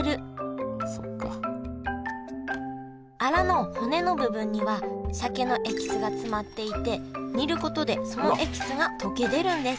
アラの骨の部分には鮭のエキスが詰まっていて煮ることでそのエキスが溶け出るんです